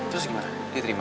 terus gimana dia terima